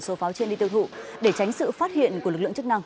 số pháo trên đi tiêu thụ để tránh sự phát hiện của lực lượng chức năng